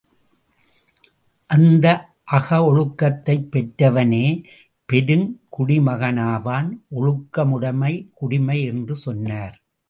அந்த அகவொழுக்கத்தைப் பெற்றவனே பெருங்குடிமகனாவான் ஒழுக்கமுடைமை குடிமை என்று சொன்னார்.